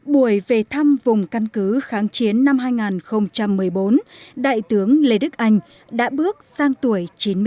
buổi về thăm vùng căn cứ kháng chiến năm hai nghìn một mươi bốn đại tướng lê đức anh đã bước sang tuổi chín mươi bốn